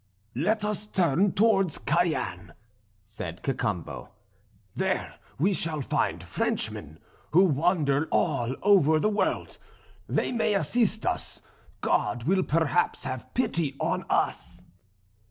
"Let us turn towards Cayenne," said Cacambo, "there we shall find Frenchmen, who wander all over the world; they may assist us; God will perhaps have pity on us."